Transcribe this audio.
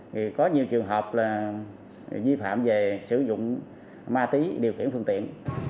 thì có nhiều trường hợp là vi phạm về sử dụng ma túy điều khiển phương tiện